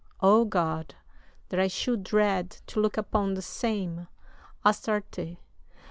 O God! that I should dread To look upon the same Astarte!